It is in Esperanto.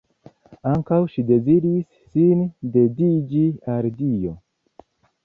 Ankaŭ ŝi deziris sin dediĉi al Dio.